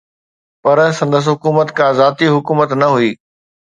پر سندس حڪومت ڪا ذاتي حڪومت نه هئي.